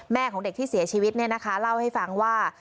ของเด็กที่เสียชีวิตเนี่ยนะคะเล่าให้ฟังว่า